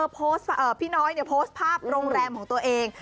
พี่น้อยโพสต์ภาพโรงแรมของตัวเอง